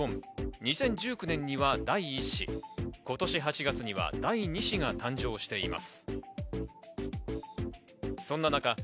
２０１９年には第１子、今年８月には第２子が誕生しています。